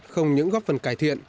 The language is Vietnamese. không những góp phần cải thiện